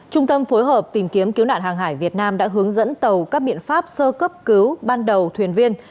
trung tâm phối hợp tìm kiếm cứu nạn hàng hải việt nam đã hướng dẫn tàu các biện pháp sơ cấp cứu ban đầu thuyền viên